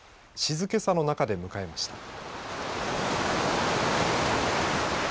静けさの中で迎えました。